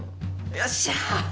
よっしゃ！